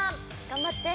頑張って！